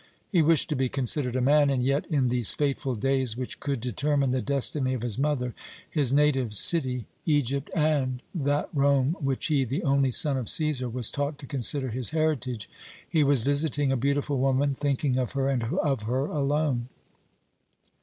He wished to be considered a man, and yet, in these fateful days, which would determine the destiny of his mother, his native city, Egypt, and that Rome which he, the only son of Cæsar, was taught to consider his heritage, he was visiting a beautiful woman, thinking of her, and of her alone.